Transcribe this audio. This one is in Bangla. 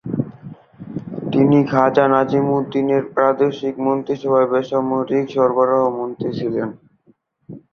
তিনি খাজা নাজিমুদ্দীনের প্রাদেশিক মন্ত্রিসভায় বেসামরিক সরবরাহ মন্ত্রী ছিলেন।